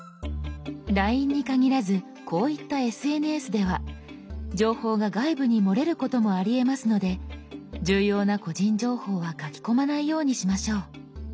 「ＬＩＮＥ」に限らずこういったＳＮＳでは情報が外部に漏れることもありえますので重要な個人情報は書き込まないようにしましょう。